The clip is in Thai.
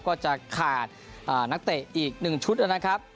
ก็จะขาดอ่านักเตะอีกหนึ่งชุดแล้วนะครับ